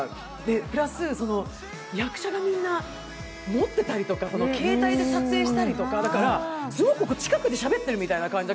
プラス役者がみんな持っていたりとか、携帯で撮影したりとかだから、すごく近くでしゃべっているみたいな感じ。